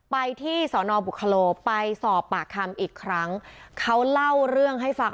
ไปที่สอนอบุคโลไปสอบปากคำอีกครั้งเขาเล่าเรื่องให้ฟัง